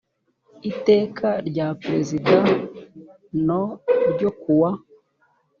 iteka rya perezida n ryo ku wa